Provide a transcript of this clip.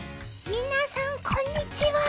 みなさんこんにちは。